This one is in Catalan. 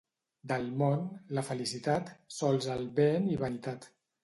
Del món, la felicitat, sols és vent i vanitat.